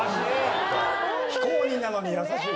非公認なのに優しい。